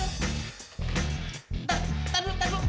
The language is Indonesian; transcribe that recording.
teh teh tunggu teh tunggu